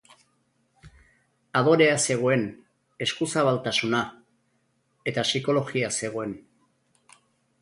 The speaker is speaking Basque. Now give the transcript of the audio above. Adorea zegoen, eskuzabaltasuna..., eta psikologia zegoen.